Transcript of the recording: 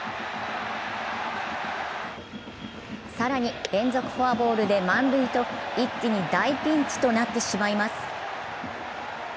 更に、連続フォアボールで満塁と一気に大ピンチとなってしまいます。